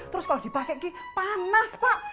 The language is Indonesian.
terus kalau dipake itu panas pak